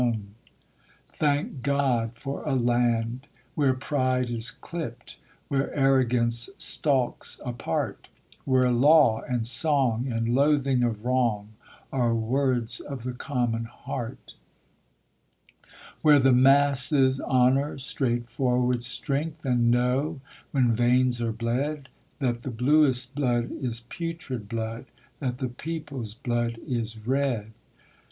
234 ] UNSUNG HEROES Thank God for a land where pride is clipped, where arro gance stalks apart; Where law and song and loathing of wrong are words of the common heart; Where the masses honor straightforward strength, and know, when veins are bled, That the bluest blood is putrid blood that the people's blood is red